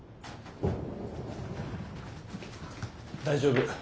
大丈夫。